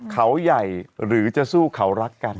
เขาใหญ่หรือจะสู้เขารักกัน